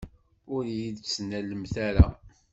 Ur iyi-d-ttnalemt ara!